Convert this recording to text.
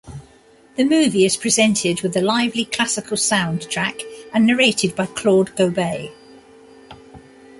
The movie is presented with a lively classical soundtrack and narrated by Claude Gobet.